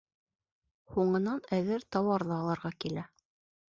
Һуңынан әҙер тауарҙы алырға килә.